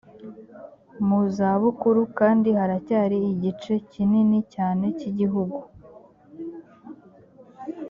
mu za bukuru kandi haracyari igice kinini cyane cy igihugu